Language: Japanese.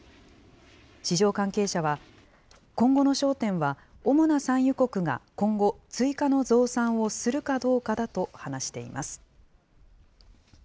市場関係者は、今後の焦点は、主な産油国が今後、追加の増産をするかどうかだと話しています。